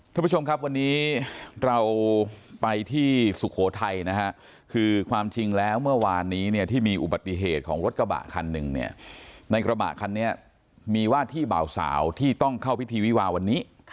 ท่านผู้ชมครับวันนี้เราไปที่สุโขทัยนะฮะคือความจริงแล้วเมื่อวานนี้เนี่ยที่มีอุบัติเหตุของรถกระบะคันหนึ่งเนี่ยในกระบะคันนี้มีว่าที่เบาสาวที่ต้องเข้าพิธีวิวาวันนี้